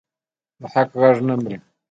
د حق غږ نه مري